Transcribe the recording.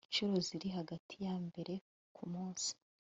incuro ziri hagati ya mbere ku munsi